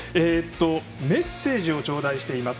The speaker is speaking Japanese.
メッセージをちょうだいしています。